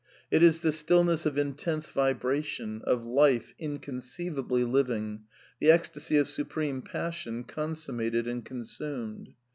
It is the stillness of intense vibration, of life inconceivably living, the ecstasy of su preme passion consummated and consumed.